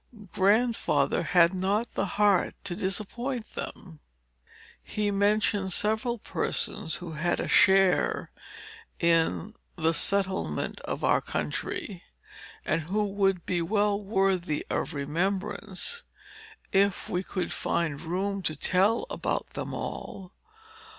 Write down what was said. Grandfather had not the heart to disappoint them. He mentioned several persons who had a share in the settlement of our country, and who would be well worthy of remembrance, if we could find room to tell about them all.